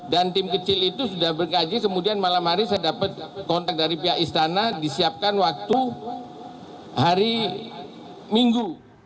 dan tim kecil itu sudah berkaji kemudian malam hari saya dapat kontak dari pihak istana disiapkan waktu hari minggu